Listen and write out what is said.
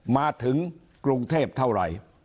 มาถึงกรุงเทพเท่าไหร่